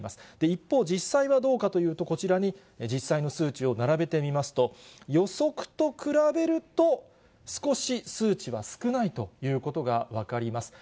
一方、実際はどうかというと、こちらに、実際の数値を並べてみますと、予測と比べると、少し数値は少ないということが分かります。